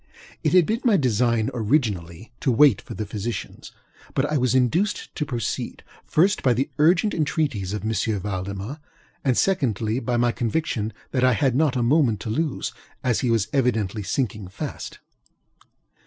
It had been my design, originally, to wait for the physicians; but I was induced to proceed, first, by the urgent entreaties of M. Valdemar, and secondly, by my conviction that I had not a moment to lose, as he was evidently sinking fast.